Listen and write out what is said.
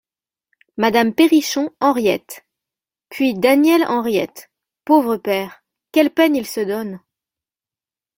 Madame Perrichon, Henriette ; puis Daniel HENRIETTE Pauvre père ! quelle peine il se donne !